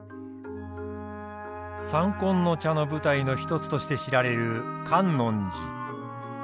「三献の茶」の舞台の一つとして知られる観音寺。